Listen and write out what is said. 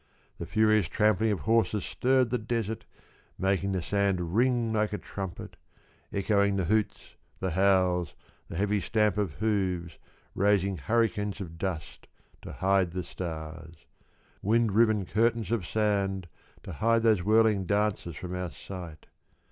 The furious trampling of horses stirred the desert Making the sand ring like a trumpet, Echoing the hoots, the howls, the heavy stamp of hooves Raising hurricanes of dust to hide the stars, — Wind riven curtains of sand To hide those whirling dancers from our sight.